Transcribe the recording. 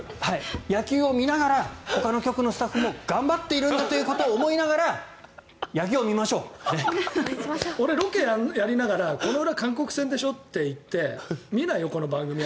野球を見ながらほかの局のスタッフも頑張っているんだということを思いながら俺、ロケやりながらこの裏、韓国戦でしょって言って見ないよ、この番組は。